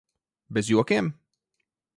Bez jokiem?